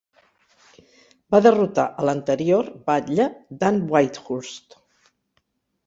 Va derrotar a l'anterior batlle Dan Whitehurst.